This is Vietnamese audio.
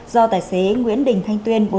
do tài xế nguyễn đình thanh tuyên